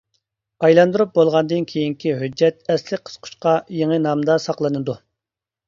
ئايلاندۇرۇپ بولغاندىن كېيىنكى ھۆججەت ئەسلى قىسقۇچقا يېڭى نامدا ساقلىنىدۇ.